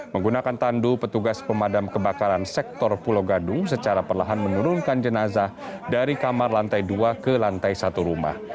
menggunakan tandu petugas pemadam kebakaran sektor pulau gadung secara perlahan menurunkan jenazah dari kamar lantai dua ke lantai satu rumah